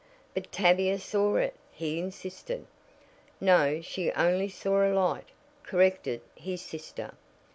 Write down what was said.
"But Tavia saw it," he insisted. "No, she only saw a light," corrected his sister.